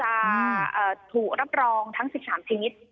จะถูกรับรองทั้ง๑๓ชีวิต